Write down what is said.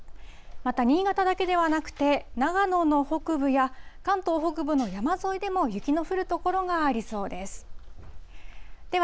また、新潟だけではなくて、長野の北部や関東北部の山沿いでも、雪の降る所がありそうです。